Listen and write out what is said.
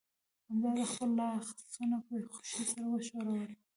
همدا ده هغه خپل لاسونه په خوښۍ سره وښورول